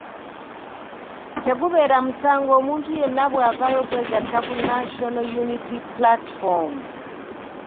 Tegubeera musango omuntu yenna bw'avaayo okwegatta ku National Unity Platform.